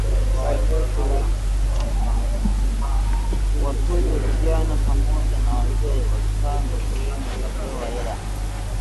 Watoto, vijana pamoja na wazee walipanga foleni wakapewa hela